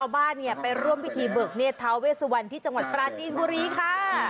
บ้านเนี่ยไปร่วมพิธีเบิกเนธท้าเวสวันที่จังหวัดปราจีนบุรีค่ะ